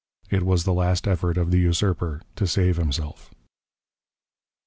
It was the last effort of the usurper to save himself.